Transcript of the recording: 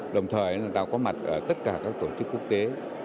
đồng thời là ta có mặt ở tất cả các tổ chức quốc tế